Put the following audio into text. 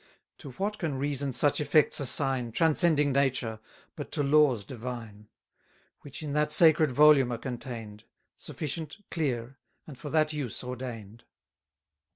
To what can reason such effects assign, Transcending nature, but to laws divine? Which in that sacred volume are contain'd; Sufficient, clear, and for that use ordain'd.